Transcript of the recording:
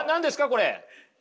これ。